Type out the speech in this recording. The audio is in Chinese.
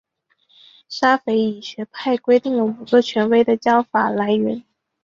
沙斐仪学派规定了五个权威的教法来源。